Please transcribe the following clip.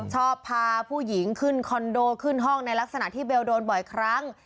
พาผู้หญิงขึ้นคอนโดขึ้นห้องในลักษณะที่เบลโดนบ่อยครั้ง